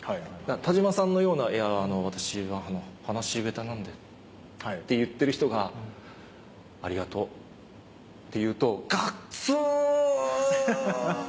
田島さんのような「いや私は話しべたなんで」って言ってる人が「ありがとう」って言うと。